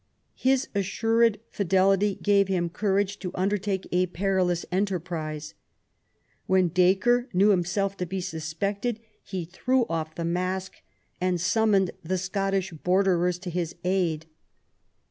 His assured fidelity gave him courage to undertake a perilous enterprise. When Dacre knew himself to be suspected he threw off the mask and summoned the Scottish borderers to his aid.